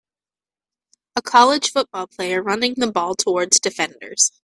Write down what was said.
A college football player running the ball towards defenders.